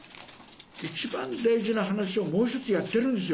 一番大事な話をもう一つやってるんですよ。